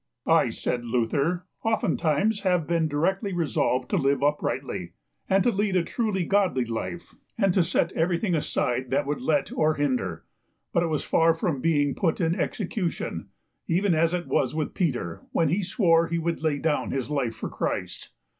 I, said Luther, oftentimes have been directly resolved to live uprightly, and to lead a true godly life, and to set everything aside that would let or hinder; but it was far from being put in execution, even as it was with Peter, when he swore he would lay down his life for Christ.